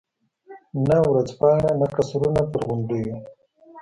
نه ورځپاڼه، نه قصرونه پر غونډیو.